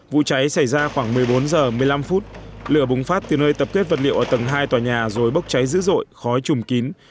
vụ cháy xảy ra khoảng một mươi bốn h một mươi năm phút lửa bùng phát từ nơi tập kết vật liệu ở tầng hai tòa nhà rồi bốc cháy dữ dội khói chùm kín